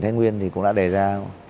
thái nguyên cũng đã đề ra